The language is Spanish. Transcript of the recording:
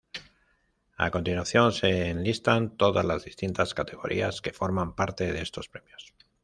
A continuación, se enlistan todas las distintas categorías que forman parte de estos premios.